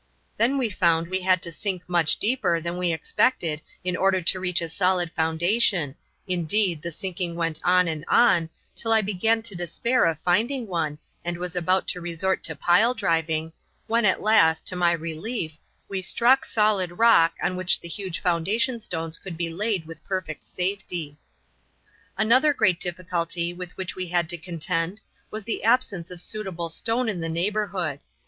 Then we found we had to sink much deeper than we expected in order to reach a solid foundation indeed, the sinking went on and on, until I began to despair of finding one and was about to resort to pile driving, when at last, to my relief, we struck solid rock on which the huge foundation stones could be laid with perfect safety. Another great difficulty with which we had to contend was the absence of suitable stone in the neighbourhood.